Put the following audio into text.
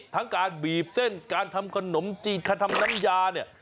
ทั้งการบีบเส้นการทำขนมจีนการทำน้ำยาเนี่ย